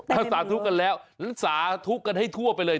ถ้าสาธุกันแล้วสาธุกันให้ทั่วไปเลย